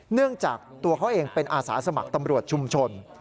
เนื่องจากตัวเขาเองเป็นอาสาสมัครตำรวจชุมชน